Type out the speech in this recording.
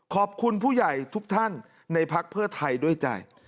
ขอบคุณผู้ใหญ่ทุกท่านในพักเพื่อไทยด้วยใจ